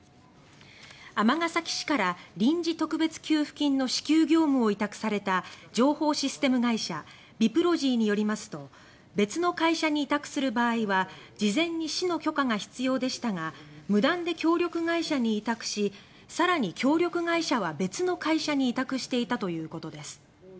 尼崎市から臨時特別給付金の支給業務を委託された情報システム会社ＢＩＰＲＯＧＹによりますと別の会社に委託する場合は事前に市の許可が必要でしたが無断で協力会社に委託し更に協力会社は別の会社に委託していたということです。